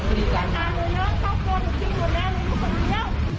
นักข่าวช่วยหนูด้วย